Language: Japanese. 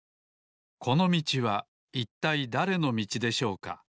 このみちはいったいだれのみちでしょうか？